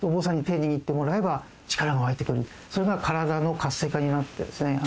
それが体の活性化になってですね